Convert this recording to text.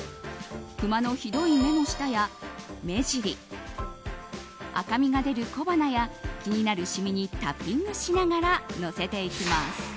クマのひどい目の下や目尻赤みが出る小鼻や気になるシミにタッピングしながらのせていきます。